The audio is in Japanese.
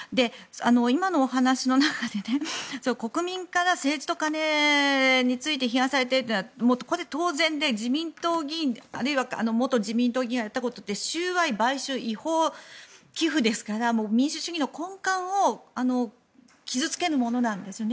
今のお話の中で国民から政治と金について批判されているというのはこれは当然で自民党議員あるいは元自民党議員がやったことって収賄、買収、違法寄付ですから民主主義の根幹を傷付けるものなんですよね。